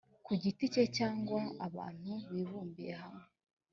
ku giti cye cyangwa abantu bibumbiye hamwe